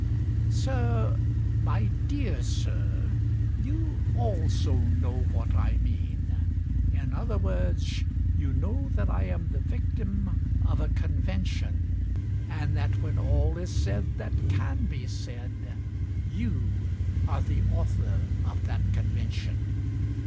Sir, My dear Sir, You also know what I mean; In other words, you know That I am the victim of a convention, And that, when all is said that can be said, You are the author of that convention.